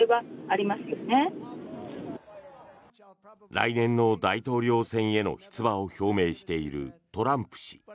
来年の大統領選への出馬を表明しているトランプ氏。